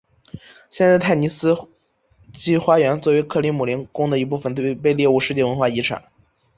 现在泰尼斯基花园作为克里姆林宫的一部分被列入世界文化遗产。